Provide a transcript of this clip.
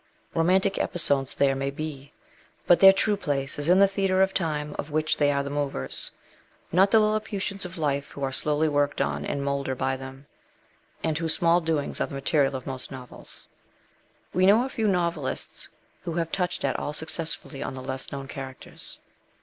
Romantic episodes there may be, but their true place is in the theatre of time of which they are the movers, 190 MRS. SHELLEY. not the Lilliputians of life who are slowly worked on and moulder by them, and whose small doings are the material of most novels. We know of few novelists who have touched at all successfully on the less known characters.